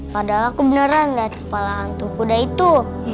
padahal aku beneran gak ada kepala hantu kuda itu